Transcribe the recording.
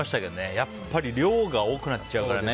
やっぱり量が多くなっちゃうからね。